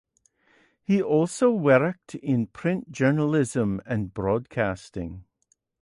He also worked in print journalism and broadcasting.